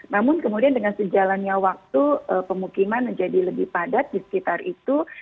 namun kemudian dengan sejalannya waktu pemukiman menjadi lebih padat di sekitar itu